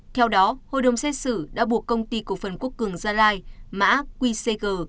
theo đó hội đồng xét xử đã buộc công ty cổ phần quốc cường gia lai mã qcg